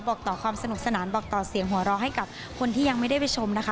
บอกต่อความสนุกสนานบอกต่อเสียงหัวเราะให้กับคนที่ยังไม่ได้ไปชมนะคะ